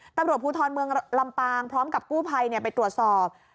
ตำรวจภูทรเมืองลำปางพร้อมกับกู้ภัยไปตรวจสอบ